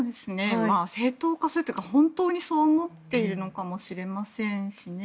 正当化するというか本当にそう思っているのかもしれませんしね。